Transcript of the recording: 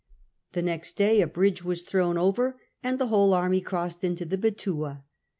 The next day a bridge was thrown over and the whole army crossed into the Betuwe.